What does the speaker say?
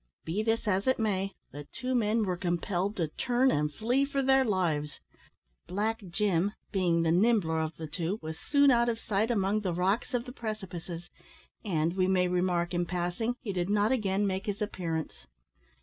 Be this as it may, the two men were compelled to turn and flee for their lives. Black Jim, being the nimbler of the two, was soon out of sight among the rocks of the precipices, and, we may remark in passing, he did not again make his appearance.